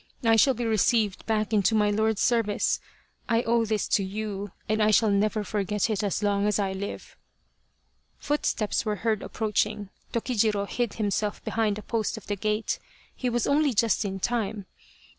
I shall be received back into my lord's service I owe 156 Urasato, or the Crow of Dawn this to you, and I shall never forget it as long as I live." Footsteps were heard approaching, Tokijiro hid himself behind a post of the gate. He was only just in time.